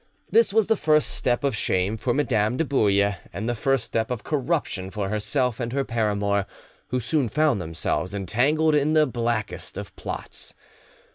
This was the first step of shame for Madame de Bouille, and the first step of corruption for herself and her paramour, who soon found themselves entangled in the blackest of plots.